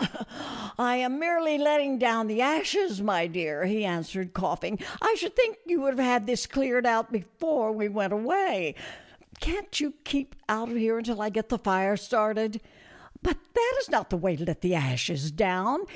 " I am merely letting down the ashes, my dear," he answered, coughing. " I should think you would 224 A FURNISHED COTTAGE BY THE SEA. have had this cleared out before we went away. Can't you keep out of here until I get the fire started ?"" But that is not the way to let the ashes down.